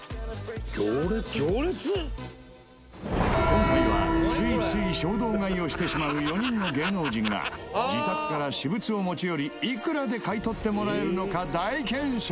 今回はついつい衝動買いをしてしまう４人の芸能人が自宅から私物を持ち寄りいくらで買い取ってもらえるのか大検証！